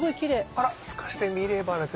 あら透かしてみればのやつですね。